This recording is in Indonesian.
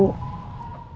lo mau kemana